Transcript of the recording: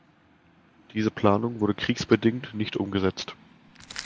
Diese Planungen wurden kriegsbedingt nicht umgesetzt.